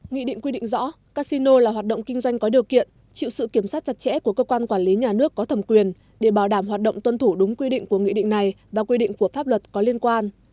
nghị định quy định rõ casino là hoạt động kinh doanh có điều kiện chịu sự kiểm soát chặt chẽ của cơ quan quản lý nhà nước có thẩm quyền để bảo đảm hoạt động tuân thủ đúng quy định của nghị định này và quy định của pháp luật có liên quan